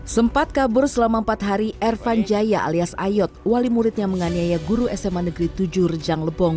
sempat kabur selama empat hari ervan jaya alias ayot wali muridnya menganiaya guru sma negeri tujuh rejang lebong